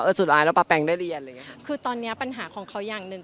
เอ่อสุดอายนะปลาแปลงได้เรียนเลยไงค่ะคือตอนเนี้ยปัญหาของเขาอย่างหนึ่ง